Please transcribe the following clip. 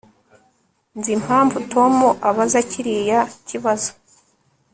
Nzi impamvu Tom abaza kiriya kibazo